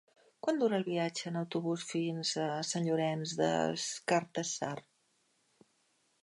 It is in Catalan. Quant dura el viatge en autobús fins a Sant Llorenç des Cardassar?